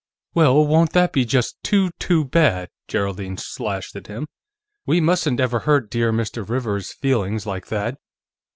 "Well, won't that be just too, too bad!" Geraldine slashed at him. "We mustn't ever hurt dear Mr. Rivers's feelings like that.